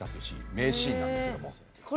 名シーンなんですけども。